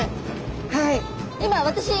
はい。